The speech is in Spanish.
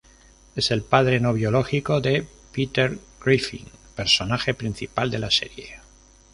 Es el padre no biológico de Peter Griffin, personaje principal de la serie.